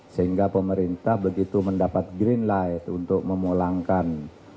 sehingga pemerintah begitu mendapat green light untuk memulangkan